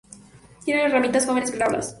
Tiene las ramitas jóvenes glabras.